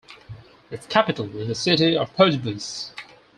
Its capital is the city of Pardubice.